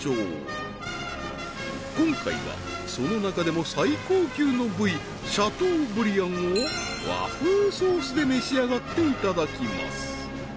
今回はその中でも最高級の部位シャトーブリアンを和風ソースで召し上がっていただきます